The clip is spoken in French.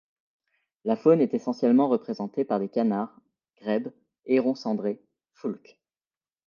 La faune est essentiellement représentée par des canards, grèbes, hérons cendrés, foulques.